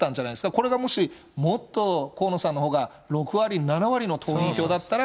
これがもし、もっと河野さんのほうが６割、７割の党員票だったら、